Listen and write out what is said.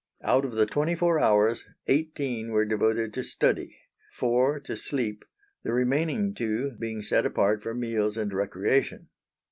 Out of the twenty four hours, eighteen were devoted to study, four to sleep, the remaining two being set apart for meals and recreation.